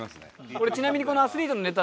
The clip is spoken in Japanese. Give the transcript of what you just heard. これちなみにこのアスリートのネタ